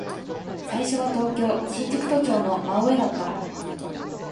最初は東京、新宿都庁の真上だった。